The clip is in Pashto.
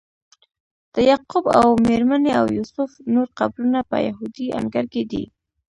د یعقوب او میرمنې او یوسف نور قبرونه په یهودي انګړ کې دي.